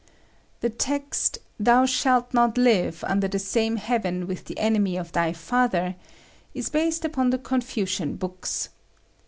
] The text, "Thou shalt not live under the same heaven with the enemy of thy father," is based upon the Confucian books.